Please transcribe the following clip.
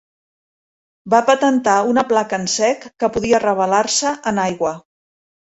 Va patentar una placa en sec que podia revelar-se en aigua.